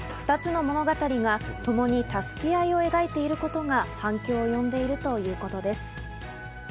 ２つの物語がともに助け合いを描いていることが反響を呼んでいるということです。